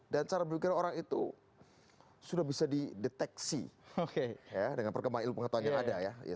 dan cara berpikir orang itu sudah bisa dideteksi dengan perkembangan ilmu pengetahuan yang ada